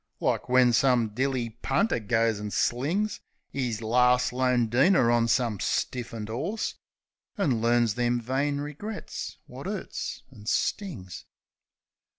Like when some dilly punter goes an' slings 'Is larst, lone deener on some stiffened 'orse, An' learns them vain regrets wot 'urts an' stings.